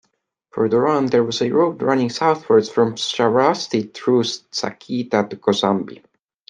Further on, there was a road running southwards from Shravasti through Saketa to Kosambi.